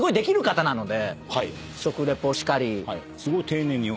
食リポしかり。